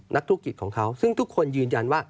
นักธุรกิจของเขาซึ่งทุกคนยืนยันว่า